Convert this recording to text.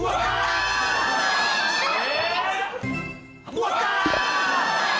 終わったー！